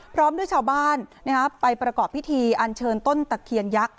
พร้อมด้วยชาวบ้านไปประกอบพิธีอันเชิญต้นตะเคียนยักษ์